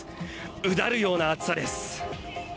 うだるような暑さです。